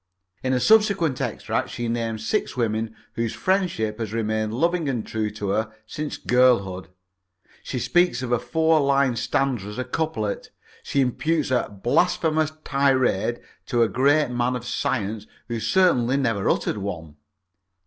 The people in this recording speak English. In a subsequent extract she names six women whose friendship has remained loving and true to her since girlhood. She speaks of a four line stanza as a couplet. She imputes a "blasphemous tirade" to a great man of science who certainly never uttered one.